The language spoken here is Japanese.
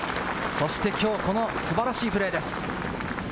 そしてきょうこの素晴らしいプレーです。